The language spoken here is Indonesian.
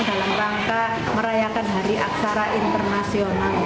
dalam rangka merayakan hari aksara internasional